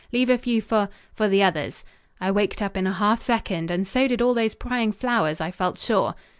"Leave a few for for the others." I waked up in a half second, and so did all those prying flowers, I felt sure.